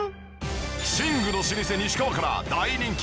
寝具の老舗西川から大人気！